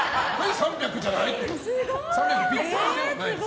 ３００じゃない？って。